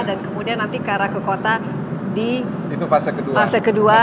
dan kemudian nanti ke arah ke kota di fase kedua